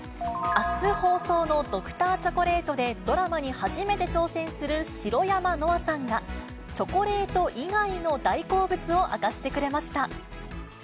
あす放送のドクターチョコレートで、ドラマに初めて挑戦する白山乃愛さんが、チョコレート以外の大好物を明かしてくれました。